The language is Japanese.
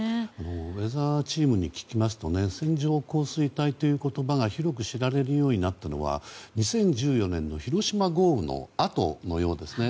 ウェザーチームに聞きますと線状降水帯という言葉が広く知られるようになったのは２０１４年の広島豪雨のあとのようですね。